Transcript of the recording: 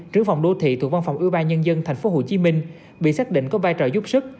trưởng phòng đô thị thuộc văn phòng ủy ban nhân dân tp hcm bị xác định có vai trò giúp sức